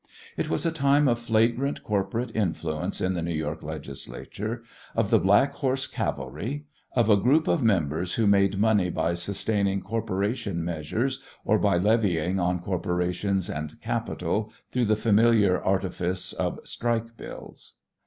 It was a time of flagrant corporate influence in the New York Legislature, of the "Black Horse Cavalry," of a group of members who made money by sustaining corporation measures or by levying on corporations and capital through the familiar artifice of "strike bills."